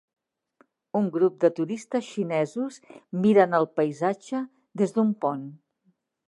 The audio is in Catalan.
Un grup de turistes xinesos miren el paisatge des d'un pont.